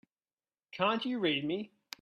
Can't you read me?